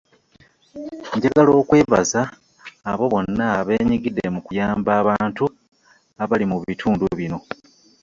Njagala okwebaza abo bonna abeenyigidde mu kuyamba abantu abali mu bitundu bino